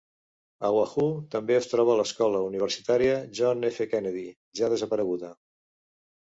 A Wahoo també es troba l'escola universitària John F. Kennedy, ja desapareguda.